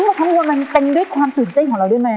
นี่คือทั้งหมดทั้งหมดมันเป็นฤทธิ์ความตื่นเต้นของเราด้วยมั้ย